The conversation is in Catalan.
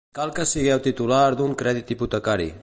Cal que sigueu titular d'un crèdit hipotecari.